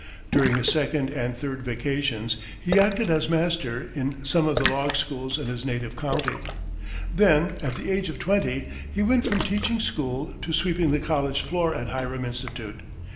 During his second and third vacations he acted as master in some of the log schools in his native county. Then, at the age of twenty, he went from teaching school to sweeping the college floor at Hiram Institute.